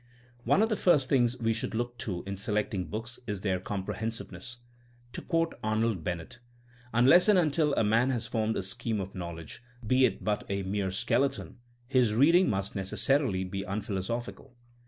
One of the first things we should look to in selecting books is their comprehensiveness. To quote Arnold Bennett: Unless and until a man has formed a scheme of knowledge, be it but a mere skeleton, his reading must neces sarily be unphilosophical.